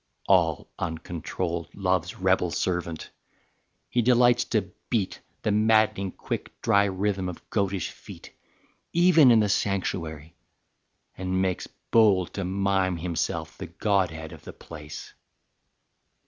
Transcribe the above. All uncontrolled, Love's rebel servant, he delights to beat The maddening quick dry rhythm of goatish feet Even in the sanctuary, and makes bold To mime himself the godhead of the place.